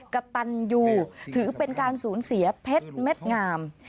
กระตันยูถือเป็นการสูญเสียเพชรเม็ดงาม